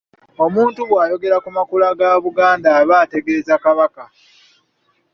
Omuntu bw’ayogera ku makula ga Buganda aba ategeeza Kabaka.